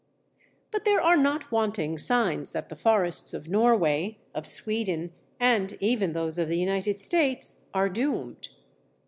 But there are not wanting signs that the forests of Norway, of Sweden, and even those of the United States, are doomed.